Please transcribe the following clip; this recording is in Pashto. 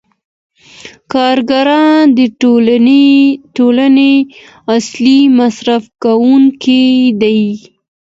کارګران د ټولنې اصلي مصرف کوونکي دي